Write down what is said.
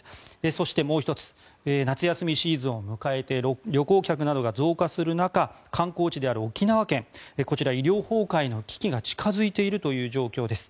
そしてもう１つ夏休みシーズンを迎えて旅行客などが増加する中観光地である沖縄県こちら医療崩壊の危機が近付いているという状況です。